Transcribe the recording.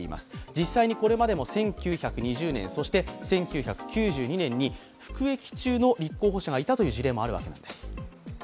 実際にこれまでも１９２０年そして１９９２年に服役中の立候補者がいたという事例もあるんです。